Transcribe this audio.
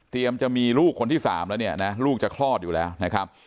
จะมีลูกคนที่๓แล้วเนี่ยนะลูกจะคลอดอยู่แล้วนะครับ